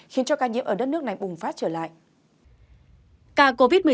khiến cho ca nhiễm ở đất nước này bùng phát trở lại